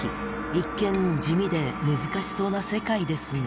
一見地味で難しそうな世界ですが。